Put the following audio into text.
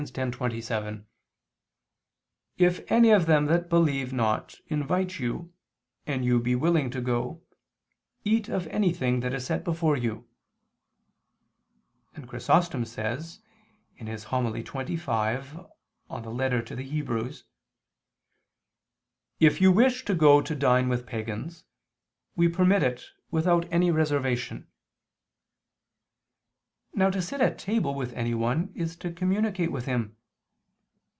10:27): "If any of them that believe not, invite you, and you be willing to go, eat of anything that is set before you." And Chrysostom says (Hom. xxv super Epist. ad Heb.): "If you wish to go to dine with pagans, we permit it without any reservation." Now to sit at table with anyone is to communicate with him.